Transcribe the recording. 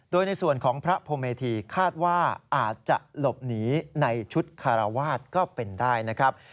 โดยในส่วนของพระพรมเมธีคาดว่าอาจจะหลบหนีในชุดคารวาสก็เป็นได้นะครับ